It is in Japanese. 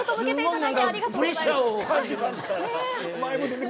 プレッシャーを感じますから。